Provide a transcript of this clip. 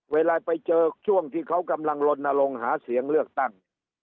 เวลาไปเจอช่วงที่เขากำลังลนลงหาเสียงเลือกตั้ง